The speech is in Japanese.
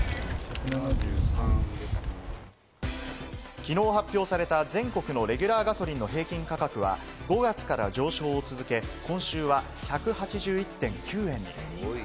きのう発表された全国のレギュラーガソリンの平均価格は、５月から上昇を続け、今週は１８１．９円に。